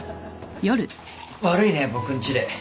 悪いね僕んちで。